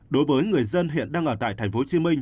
đối với người dân hiện đang ở tại tp hcm